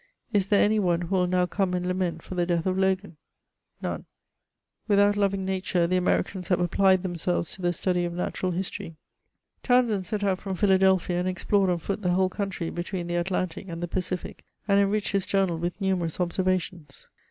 Is there any one who will now come and lament for the death of Logan ? None.'' 300 BCBMOIBS OF Without loving nature, the Americans have applied themselTes to the study of natural history. Townsend set out from Phila delphia, and explored on foot the whole country between the At lantic and the Pacific, and enriched his journal with numerous ob servations.